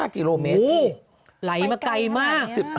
๑๕กิโลเมตรโอ้โฮไหลมาไกลมาก